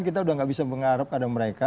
kita sudah tidak bisa mengharapkan mereka